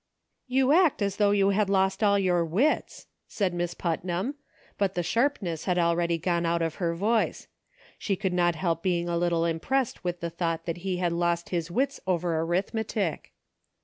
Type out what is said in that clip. " You act as though you had lost all your wits," said Miss Putnam ; but the sharpness had already gone out of her voice. She could not help being a little impressed with the thought that he had lost his wits over arithmetic.